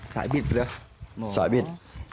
สายบิดเหรอสายบิด